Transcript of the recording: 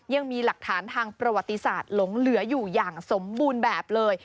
ยังมีหลักฐานทางประวัติศาสตร์หลงเหลืออยู่อย่างสมบูรณ์แบบเลย